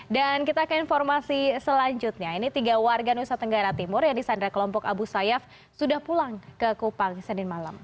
dan kita akan informasi selanjutnya ini tiga warga nusa tenggara timur yang disandara kelompok abu sayyaf sudah pulang ke kupang senin malam